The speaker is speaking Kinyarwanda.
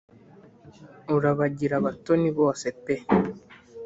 urabagire abatoni bose pe